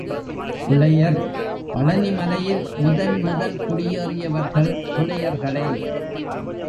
புலையர் பழனிமலையில் முதன் முதல் குடியேறியவர்கள் புலையர்களே.